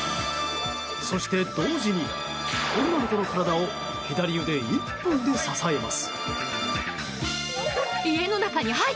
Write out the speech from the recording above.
そして同時に、女の子の体を左腕１本で支えます。